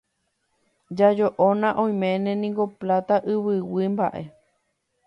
Jajo'óna oiméne niko Pláta Yvyguy mba'e.